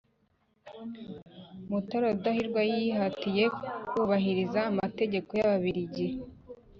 Mutara Rudahigwa yihatiye kubahiriza amategeko y'Ababiligi